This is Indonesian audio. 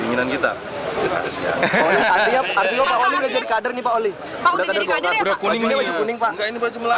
enggak ini baju melayu